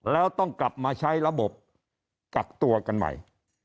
แล้วต้องกลับมาใช้ระบบกักตัวกันใหม่